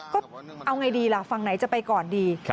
ก็เอาไงดีล่ะฝั่งไหนจะไปก่อนดี